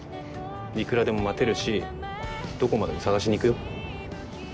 いくらでも待てるしどこまでも捜しに行くよ。